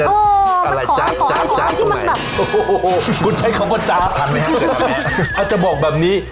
อะไรที่มันแบบโอ้โฮโฮคุณใช้คำว่าอาจจะบอกแบบนี้